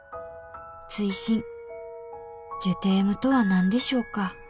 「追伸ジュテームとは何でしょうか」